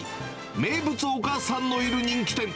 名物お母さんのいる人気店。